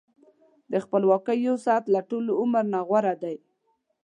د خپلواکۍ یو ساعت له ټول عمر نه غوره دی.